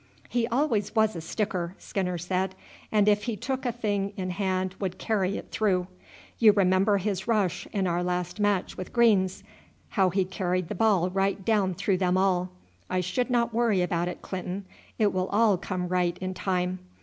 "He always was a sticker," Skinner said, "and if he took a thing in hand would carry it through. You remember his rush in our last match with Green's, how he carried the ball right down through them all. I should not worry about it, Clinton; it will all come right in time.